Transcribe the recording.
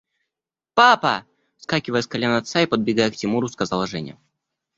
– Папа! – вскакивая с колен отца и подбегая к Тимуру, сказала Женя.